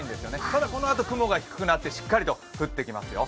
ただこのあと、雲が低くなってしっかりと降ってきますよ。